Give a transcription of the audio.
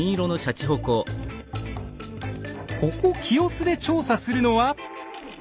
ここ清須で調査するのは。